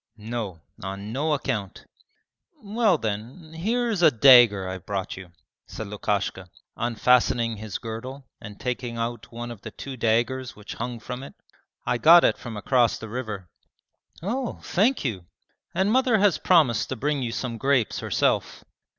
'No, on no account.' 'Well then, here is a dagger I've brought you,' said Lukashka, unfastening his girdle and taking out one of the two daggers which hung from it. 'I got it from across the river.' 'Oh, thank you!' 'And mother has promised to bring you some grapes herself.'